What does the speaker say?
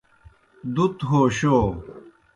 دُت ہو شو